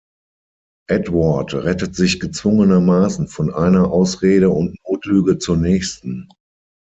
Edward rettet sich gezwungenermaßen von einer Ausrede und Notlüge zur nächsten.